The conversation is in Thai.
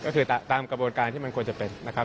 ก็คือตามกระบวนการที่มันควรจะเป็นนะครับ